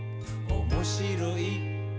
「おもしろい？